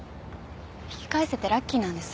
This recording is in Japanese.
引き返せてラッキーなんです。